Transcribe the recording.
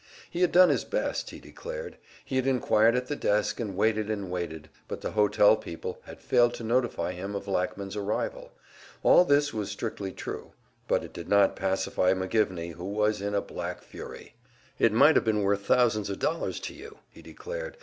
He had done his best, he declared; he had inquired at the desk, and waited and waited, but the hotel people had failed to notify him of Lackman's arrival. All this was strictly true; but it did not pacify McGivney, who was in a black fury. "It might have been worth thousands of dollars to you!" he declared.